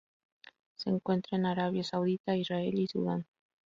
Se encuentra en Arabia Saudita, Israel y Sudán.